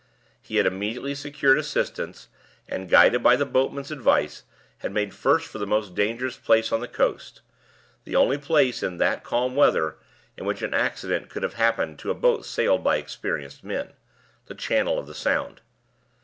He had immediately secured assistance, and, guided by the boatman's advice, had made first for the most dangerous place on the coast the only place, in that calm weather, in which an accident could have happened to a boat sailed by experienced men the channel of the Sound.